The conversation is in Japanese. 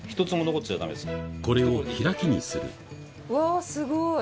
これを開きにするうわすごい。